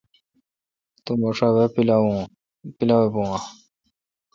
تو مہ شا وے°پیلاویباہ؟